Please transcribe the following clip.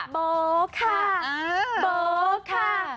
โบค่ะโบค่ะ